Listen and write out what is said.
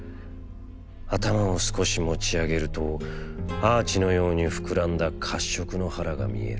頭を少し持ちあげるとアーチのようにふくらんだ褐色の腹が見える。